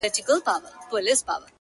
دا پاته عمر ملنګي کوومه ښه کوومه,